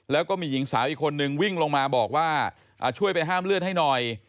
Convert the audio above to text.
แล้วก็มีหญิงสาวอีกคนนึงวิ่งลงมาบอกว่าช่วยไปห้ามเลือดให้หน่อย